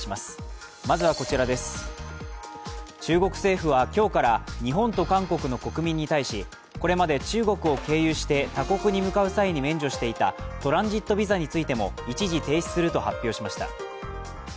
中国政府は今日から日本と韓国の国民に対しこれまで中国を経由して他国に向かう際に免除していたトランジットビザについても一時停止すると発表しました。